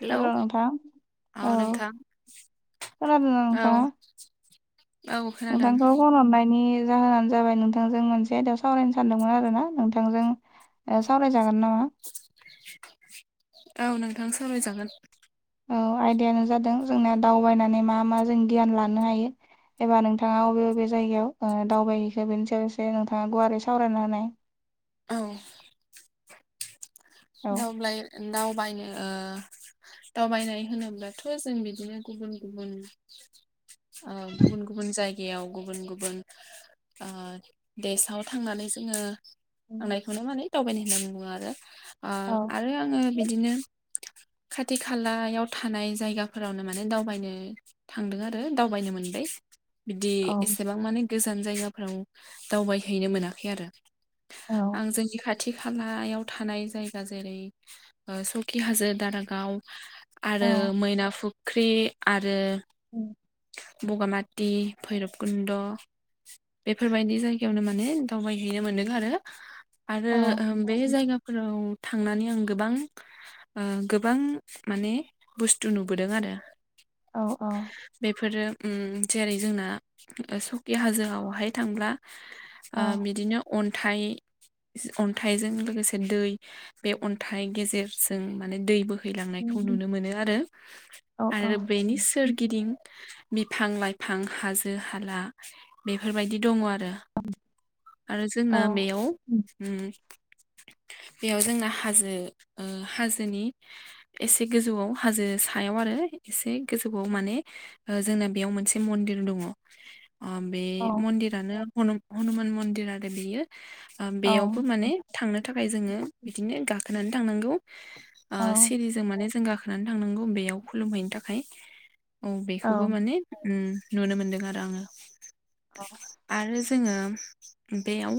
Hello hello नोंथां औ खोनादोंना औ नोंथां औ खोनादों नोंथांखौ फन हरनायनि जाहोनानो जाबाय नोंथांजों मोनसे आयदायाव सावरायनो सानदोंमोन आरोना नोंथांजों सावरायजागोन नामा औ नोंथां सावरायजागोन औ आयदायानो जादों जोंना दावबायनानै मा मा जों गियान लानो हायो एबा नोंथाङा अबे बबे जायगायाव दावबायहैखो बेनि सायाव एसे नोंथाङा गुवारै सावरायना होनाय औ औ [unintelligible] दावबायनो दावबायनाय होनोब्लाथ' जों बिदिनो गुबुन गुबुन ओ गुबुन गुबुन जाय गायाव गुबुन गुबुन ओ देशआव थांनानै जोंओ थांनायखौनो माने दावबायनाय होननाय बुङो आरो ओ औ आरो आङो बिदिनो [inaudible] खाथि खालायाव थानाय जायगाफोरावनो माने दावबायनो थांदों आरो दावबायनो मोनबाय बिदि औ एसेबां माने गोजान जायगाफोराव दावबायहैनो मोनाखै आरो आं जोंनि खाथि खालायाव थानाय जायगा दा जेरै सकि हाजो दारागाव औ आरो मैना फुख्रि आरो ओम बगामाथि भैरब कुन्द' बेफोरबायदि जायगायावनो माने दावबायहैनो मोनदों आरो आरो औ आं बे जायगाफोराव थांनानै आं गोबां ओ गोबां माने बुस्थु नुबोदों आरो औ औ ओम जेरै जोंना सकि हाजोआव बाहाय थांब्ला ओ बिदिनो अन्थाइ अन्थाइजों लोगोसे दै बे अन्थाइ गेजेरजों माने दै बोहैयो बोहैलांनायखौ नुनो मोनो आरो आरो बेनि सोरगिदिं बिफां लाइफां हाजो हाला बेफोरबायदि दङ आरो आरो जोंना बेयाव ओ [inaudible] बेयाव जोंना हाजो ओ हाजोनि एसे गोजौआव हाजो सायाव आरो एसे गोजौवाव माने जोंना बेयाव मोनसे मन्दिर दङ ओ बे औ मन्दिरानो हनुमान मन्दिर आरो बेयो ओ औ बेयावबो माने थांनो थाखाय जोङो बिदिनो गा गाखोनानै थांनांगौ ओ औ सिरिजों माने जों गाखोनानै थांनांगौ बेयाव खुलुमहैनो थाखाय औ बेखौबो माने नुनो मोनदों आरो आङो औ आरो जोंओ बेयाव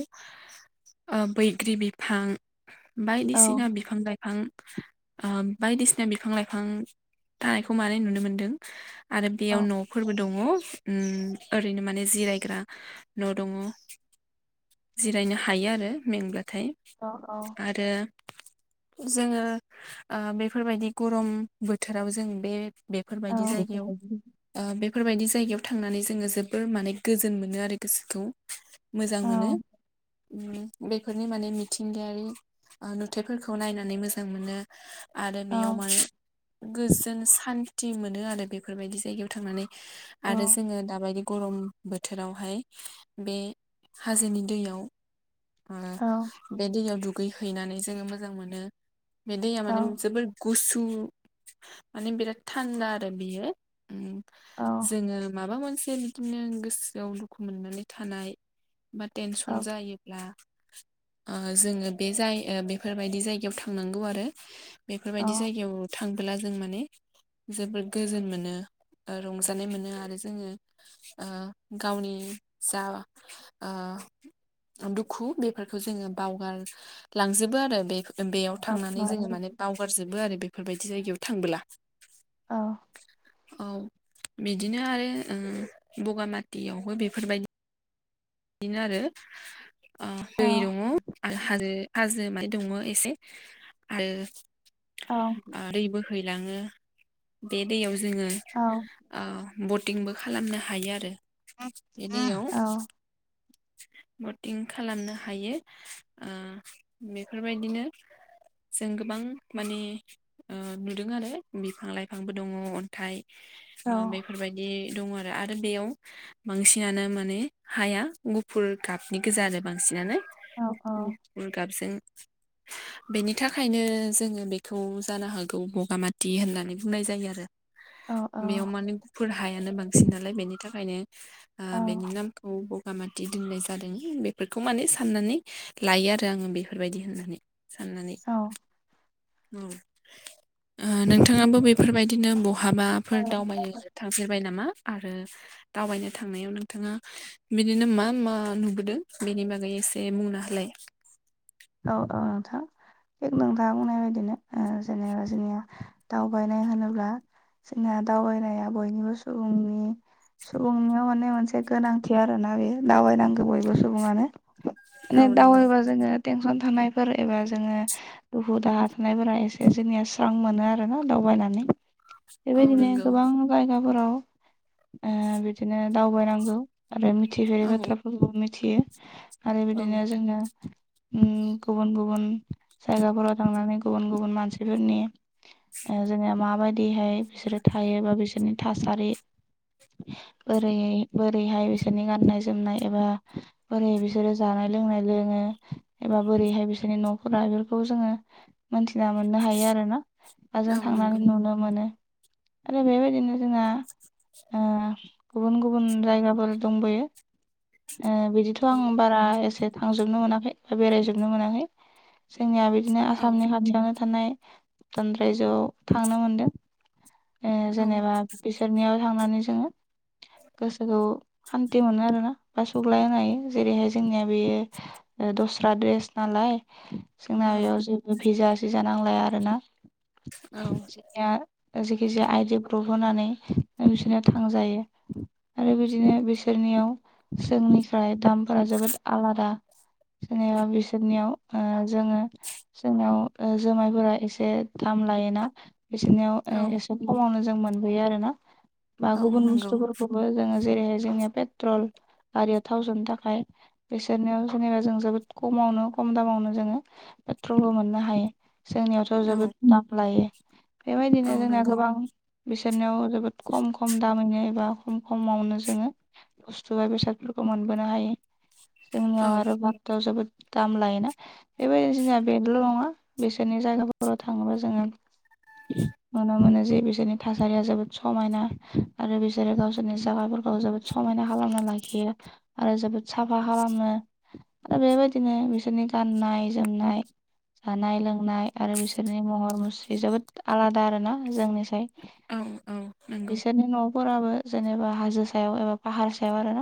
बैग्रि बिफां औ बायदिसिना बिफां लाइ फां बायदिसिना बिफां लाइफां थानायखौ मानो नुनो मोनदों आरो बेयाव औ न'फोरबो दं। दङ ओरैनो माने जिरायग्रा न' दङ। जिरायनो हायो आरो मेंब्लाथाय औ आरो जोङो बेफोरबायदि गरम बोथोराव जों बे औ बेफोरबायदि जायगायाव बेफोरबायदि बे बेफोरबायदि जायगायाव थांनानै जोङो जोबोर माने गोजोन मोनो आरो गोसोखौ। मोजां औ मोनो बेफोरनि माने मिथिंगायारि नुथायफोरखौ नायनानै मोजां मोनो। आरो औ बेयाव माने गोजों सान थि मोनो आरो बेफोरबायदि जायगायाव थांनानै औ आरो जोङो दाबायदि गरम बोथोरावहाय बे हाजोनि दैयाव औ बे दैयाव दु गैहैनानै जोङो मोजां मोनो बे दैया औ माने जोबोर गुसु माने बिराद थान्दा आरो बियो। औ जोङो माबा मोनसे बिदिनो गोसोआव दुखु मोननानै थानाय। बा औ टेनसन जायोब्ला। [inaudible] जोङो बे जाय बेफोरबायदि जायगायाव थांनांगौ आरो बेफोरबायदि जायगायाव थां बोला जों माने जोबोद गोजोन मोनो। रंजानाय मोनो आरो जोङो गावनि जा। [unintelligible] दुखु बेफोरखौ जोङो बावगार लांजोबो आरो बे बेयाव थांनानै जोङो माने बावगारजोबो आरो बेफोरबायदि जायगायाव थांबोला। औ। औ बिदिनो आरो बगामाथियावबो बेफोरबायदि। बिदिनो आरो दै दङ आरो हाजो हाजो। माने दङ एसे आरो औ। हैलाङो बे दैयाव जोङो। बटिंबो खालामनो हायो आरो बेनियाव [inaudible] बटिं खालामनो हायो बेफोरबायदिनो। जों गोबां माने नुदों आरो बिफां लाइफांबो दङ अन्थाइ। बेफोरबायदि दं आरो आरो बेयाव बांसिनानो माने हाया गुफुर गाबनि गोजा आरो बांसिनानो गुफुर गाबजों [inaudible] बेनि थाखायनो जोङो बेखौ जानो हागौ बगामाथि होननानै बुंनाय जायो आरो औ बेयाव माने गुफुर हायानो बांसिन नालाय बेनि थाखायनो बेनि नाम बगामाथि दोननाय जादों बेफोरखौ माने साननानै लायो आरो आङो बेफोरबायदि होननानै। साननानै औ ओ नोंथाङाबो बेफोरबायदिनो ब बहाबाफोर औ दावबायनो थांफेरबाय नामा आरो दावबायनो थांनायाव नोंथाङा। बिदिनो मा मा नुबोदों बेनि बागै एसे बुंना होलाय। [inaudible] थिग नोङा बुंनाय बायदिनो जेनेबा जोंनिया दावबायनाय होनोब्ला। जोंनिया दावबायनाया बयनिबो सुबुंनि सुबुंनियाव माने मोनसे गोनांथि आरोना बे दावबायनांगौ बयबो सुबुङानो। औ नंगौ दावबायबा जोङो टेनसन थानायफोर एबा जोङो दुखु दाहा थानायफोरा एसे जोंनिया स्रां मोनो आरो ना दावबायना। नानै औ बेबायदिनो नंगौ गोबां जायगाफोराव बिदिनो दावबायनांगौ। आरो मिथिफेरै औ बाथ्राफोरखौबो मिथियो आरो औ बिदिनो जोङो ओम गुबुन गुबुन जायगाफोराव थांनानै गुबुन गुबुन मानसिफोरनि ओ जोङो माबायदिहाय बिसोरो थायो बा बिसोरनि थासारि बोरै बोरैहाय बिसोरनि गाननाय जोमनाय एबा बोरै बिसोरो जाना नाय लोंनाय लोङो एबा बोरैहाय बिसोरनि न'फोरा बेफोरखौ जोङो मोनथिना मोननो हायो आरो ना दाजों औ थांनानै नंगौ नुनो मोनो आरो बेबायदिनो जोंहा ओ गुबुन गुबुन जायगाफोर दंबोयो ओ बिदिथ' औ आं बारा एसे थांजोबनो मोनाखै बा बेरायजोबनो मोनाखै जोंनिया बिदि बिदिनो औ आसामनि खाथियावनो थानाय भुटान रायजोआव थांनो मोनदों ओ औ जेनेबा बिसोरनियाव थांनानै जोङो गोसोखौ सान्थि मोनो आरोना बा सुग्लाय होनो हायो जेरैहाय जोंनिया बेयो ओ दस्रा देस नालाय औ जोंना बेयाव जेबो भिजा सिजा नांलाया आरोना औ जोंनिया ओ जेखि जाया आइ डि प्रुफ होनानै बिसोरनो थांजायो आरो बिदिनो बिसोरनियाव जोंनिफ्राय दामफोरा जोबोद आलादा जेनेबा बिसोरनियाव ओ जोङो जोंनियाव जुमायफोरा एसे दाम लायोना बिसोरनियाव औ एसे खमावनो जों मोनबोयो आरो ना बा औ गुबुन नंगौ बुस्थुफोरखौबो जोङो जेरैहाय जोंनिया पेट्रल गारियाव थाव सोनो थाखाय बिसोरनियाव जेनेबा जों जोबोद खमाव नो खम दामावनो जोङो पेट्रलबो मोननो हायो जोंनियावथ' औ जोबोद दाम लायो औ बेबायदिनो जोंना नंगौ गोबां बिसोरनियाव जोबोद खम खम दामैनो एबा खम खम मावनो जोङो बुस्थु बा बेसादफोरखौ मोनबोनो हायो औ जोंनियाव आरो भारताव जोबोद दाम लायोना बेबायदिनो जोंया बेगल' नङा बिसोरनि जायगाफोराव थाङोबा जोङो [inaudible] नुनो मोनो जे बिसोरनि थासारिया जोबोद समायना आरो बिसोरो गावसोरनि जागाफोरखौ जोबोद स मायना खालामना लाखि आरो जोबोद साफा खालामो आरो बेबायदिनो बिसोरनि गा ननाय जोमनाय जानाय लोंनाय आरो बिसोरनि महर मुस्रि जोबोद आलादा दा आरो ना जोंनिसाय औ औ नंगौ बिसोरनि न'फोराबो जेनेबा हाजो सायाव एबा पाहार सायाव आरोना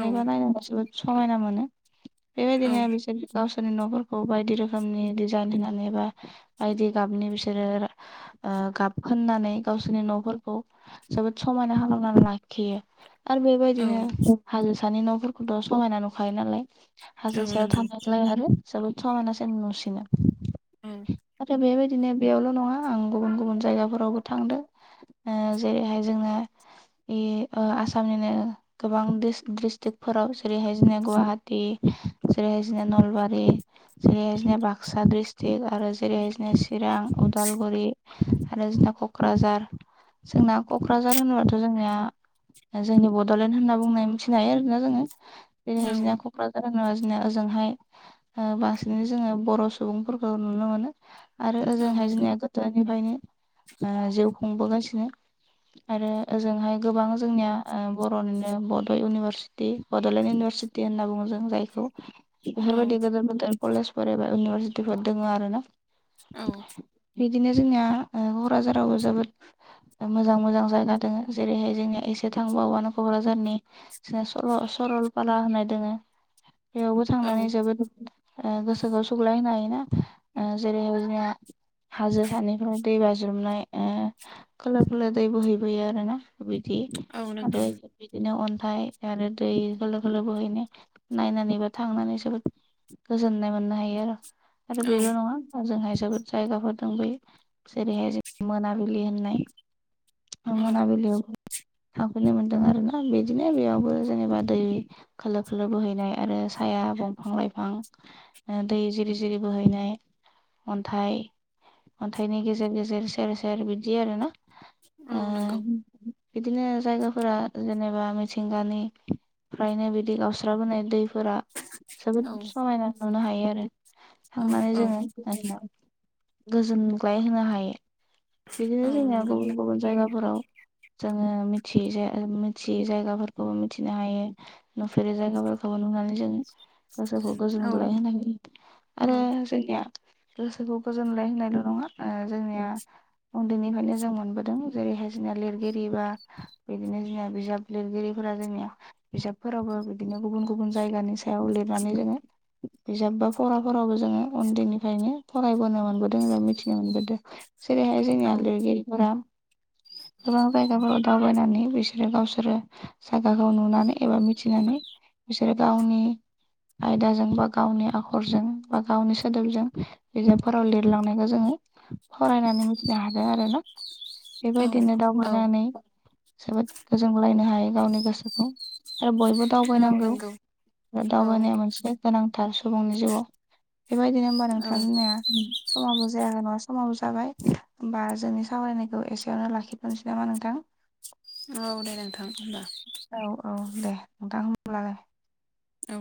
औ नायनानै समायना मोनो औ बेबायदिनो बिसोर गाव सोरनि न'फोरखौ बायदि रोखोमनि डिजाइन होनानै बा बायदि गाबनि बिसोरो ओ गाब फोनननानै गावसोरनि न'फोरखौ जोबोद समायना खालामनानै लाखियो। आरो औ बेबायदिनो हाजो सानि न'फोरखौथ' समहायना नुखायो नालाय। औ हाजो सायाव नंगौ थानायलाय आरो जोबोद समायनासिन नुसिनो औ नाथाय बेबायदि बिदिनो बेयावल' नङा आं गुबुन गुबुन जायगाफोरावबो थांदों ओ जेरैहाय जोङो बे आसामनिनो गोबां दिस्ट्रिकफोराव जेरैहाय जोंना गुवाहाटि जेरैहाय‌ जोंना नलबारि जेरैहायदिनो बाक्सा डिस्ट्रिक्ट आरो जेरैनो चिरां उदाल गुरि आरो जोंना क'क्राझार जोंना क'क्राझार होनोबाथ' जोंनिया जोंनि बड'लेण्ड होनना बुंनाय मिथिनाय होयो आरोना जोङो जेरैहाय जोंनिया क'क्राझार जोङो ओजोंहाय बांसिनै जोङो बर' सुबुंफोरखौ नुनो मोनो। आरो औ ओजोंहाय नंगौ जोंनिया गोदोनिफ्रायनो जिउ खुंबोगासिनो आरो ओजोंहाय गोबां जोंनिया ओ बर'निनो बड' इउनिभारसिटि बड'लेण्ड इउनिभार चिटि‌ होनना बुङो जों जायखौ। औ बेफोरबायदि गदेर गोदेर कलेजफोर एबा इउनिभारसिटिफोर दङ आरो ना। औ बिदिनो जोंनिया क'क्राझाराव जोबोद मोजां मोजां जायगा दङ जेरैहाय जोंनिया एसे थांबावबानो क'क्राझारनि सरल सनलपारा होननाय दोङो बेयावबो औ थांनानै जोबोद गोसोखौ सौग्लायो हायोना जेरै जोंनिया हाजो सानिफ्राय दै बाज्रुमनाय खोलो खोलो दै बोहैबोयो आरो ना। बिदि औ आरो नंगौ बिदिनो अन थाइ आरो दै खोलो खोलो बोहैनो नायनानै बा थांनानै जोबोद गोजोननाय मोननो हायो आरो आरो औ बेल' नङा दा जोंहाय जोबोद जायगाफोर बै जेरैहाय जों मोनाबिलि होननाय मोनाबिलियाव थांफैनो मोनदों आरोना बिदिनो बेयावबो जेनेबा दै खोलोर खोलोलो बोहैनाय आरो साया दंफां लाइफां दै जिरि जिरि बोहैनाय अन्थाइ अन्थाइनि गेजेर गेजेर सेर सेर बिदि आरोना। ओ औ नंगौ बिदिनो जायगाफोरा जेनेबा मिथिंगानिफ्रायनो बिदि गावस्राबोनाय दै फोरा औ जोबोद समायना नुनो हायो आरो थांनानै औ जोङो गोजोनग्लाय होनो हायो बिदिनो जोंनिया नंगौ गुबुन गुबुन जायगाफोराव जोङो मिथियै जे मिथियै जायगाफोरखौबो मिथिनो हायो नुफेरि जायगाफोरखौबो नुनो गोसोखौ औ गोजोनगलाय होनो हायो आरो जोंनिया गोसोखौ गोजोनलाय होनायल' नङा ओ जोंनिया उन्दैनिफ्रायनो जों मोनबोदों जेरैहाय जोंना लिरगिरि बा बिदिनो जोंना बिजाब लिरगिरि जोंनिया बिजाबफोरावबो बिदिनो गुबुन गुबुन जायगानि सायाव लिरनानै जोङो बिजाब बा फराफोरावबो जोङो उन्दैनिफ्रायनो फ रायबोनो मोनबोदों एबा मिथिनो मोनबोदों जेरैहाय जोंनिया लिरगिरिफोरा गोबां जायगाफोराव दावबायनानै बिसोरो गावसोरो जायगाखौ नुनानै एबा मिथिनानै बिसोरो गावनि आयदाजों बा गावनि आखरजों बा गावनि सोदोबजों बिजाबफोराव लिरलांनायखौ जोङो फरायनानै मिथिनो हादों आरोना। औ औ बेबायदिनो दावबायनानै जोबोद गोजोनगलायनो हायो गावनि गोसोखौ आरो बयबो औ दावबायनांगौ नंगौ आरो औ दावबायनाया मोनसे गोनां थार सुबुंनि जिउआव बेबायदिनो होमबा औ नोंथां होनाया समाबो जायाखै नङा समाबो जाबाय हबा जोंनि सावरायनायखौ एसेयावनो लाखिथ'नोसै नामा नोंथां औ दे नोंथां होमबा औ औ दे नोंथां अब्लालाय औ